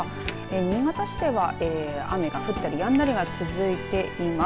新潟市では雨が降ったりやんだりが続いています。